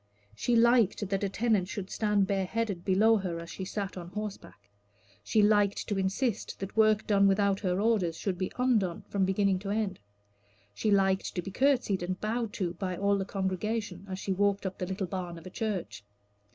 She liked that a tenant should stand bareheaded below her as she sat on horseback. She liked to insist that work done without her orders should be undone from beginning to end. She liked to be courtesied and bowed to by all the congregation as she walked up the little barn of a church.